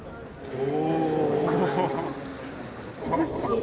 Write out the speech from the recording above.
お。